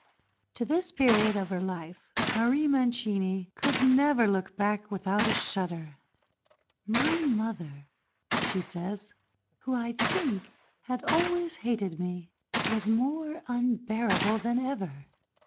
To this period of her life Marie Mancini could never look back without a shudder. "My mother," she says, "who, I think, had always hated me, was more unbearable than ever.